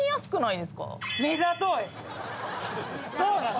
そうなの。